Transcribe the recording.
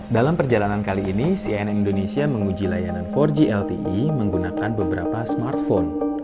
dalam perjalanan kali ini cnn indonesia menguji layanan empat g lte menggunakan beberapa smartphone